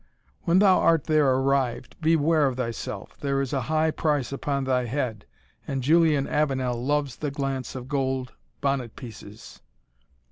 When thou art there arrived, beware of thyself there is a high price upon thy head, and Julian Avenel loves the glance of gold bonnet pieces."